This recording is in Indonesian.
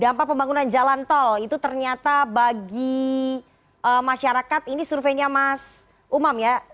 dampak pembangunan jalan tol itu ternyata bagi masyarakat ini surveinya mas umam ya